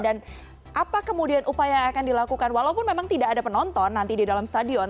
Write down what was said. dan apa kemudian upaya yang akan dilakukan walaupun memang tidak ada penonton nanti di dalam stadion